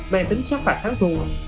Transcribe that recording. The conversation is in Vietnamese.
mang tính sát phạt thắng thua